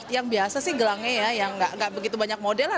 yang biasa sih gelangnya ya yang gak begitu banyak model lah